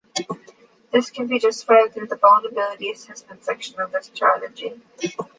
This can be justified through the vulnerability assessment section of the strategy.